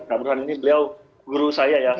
kak burhan ini beliau guru saya ya